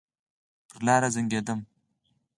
پر لار زنګېدم.